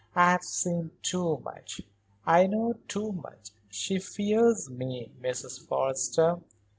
I've seen too much; I know too much; she fears me, Mrs. Forrester.